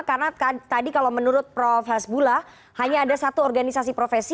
karena tadi kalau menurut prof hasbullah hanya ada satu organisasi profesi